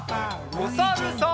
おさるさん。